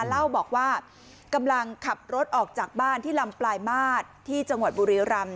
เล่าบอกว่ากำลังขับรถออกจากบ้านที่ลำปลายมาตรที่จังหวัดบุรีรำ